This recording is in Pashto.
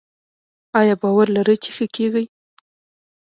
ایا باور لرئ چې ښه کیږئ؟